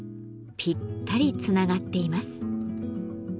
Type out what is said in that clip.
ぴったりつながっています。